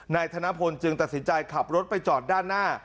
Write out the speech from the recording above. ธนพลจึงตัดสินใจขับรถไปจอดด้านหน้า